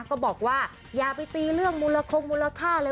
ก็บอกว่าอย่าไปตีเรื่องมูลคงมูลค่าเลย